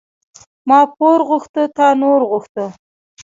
ـ ما پور غوښته تا نور غوښته.